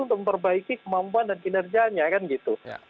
untuk memperbaiki kemampuan dan kinerjanya kan gitu